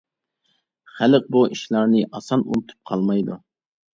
خەلق بۇ ئىشلارنى ئاسان ئۇنتۇپ قالمايدۇ.